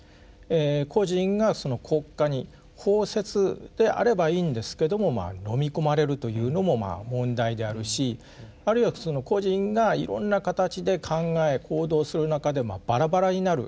個人が国家に包摂であればいいんですけどものみ込まれるというのも問題であるしあるいはその個人がいろんな形で考え行動する中でバラバラになる。